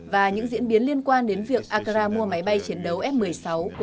và những diễn biến liên quan đến việc accra mua máy bay chiến đấu